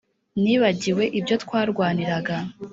nibagiwe ibyo twarwaniraga,